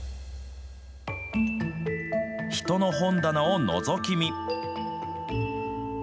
人の本棚をのぞき見。